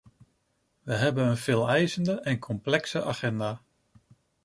We hebben een veeleisende en complexe agenda.